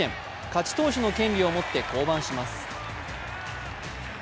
勝ち投手の権利を持って降板します。